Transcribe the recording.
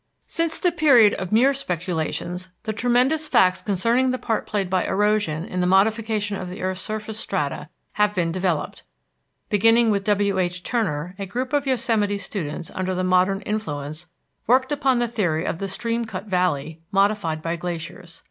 Since the period of Muir's speculations, the tremendous facts concerning the part played by erosion in the modification of the earth's surface strata have been developed. Beginning with W.H. Turner, a group of Yosemite students under the modern influence worked upon the theory of the stream cut valley modified by glaciers.